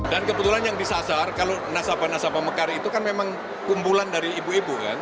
dan kebetulan yang disasar kalau nasabah nasabah mekar itu kan memang kumpulan dari ibu ibu kan